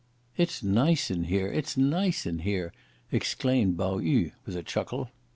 "It's nice in here, it's nice in here," exclaimed Pao yü with a chuckle.